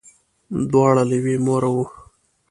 دواړه له یوې موره وه.